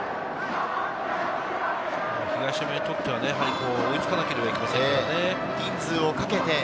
東山にとっては追いつかなければいけませんからね。